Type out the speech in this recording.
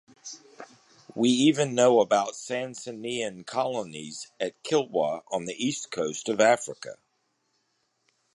We even know about Sasanian colonies at Kilwa on the east coast of Africa.